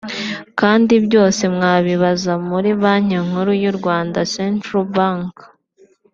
kandi byose mwabibaza muri Banki Nkuru y’u Rwanda (Central Bank)